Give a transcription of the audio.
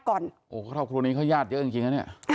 โอ้วเข้าครูนี้ก็ญาติเยอะจริงนะเนี่ย